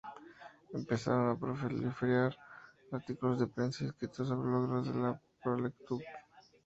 Empezaron a proliferar artículos de prensa y escritos sobre los logros de la "Proletkult".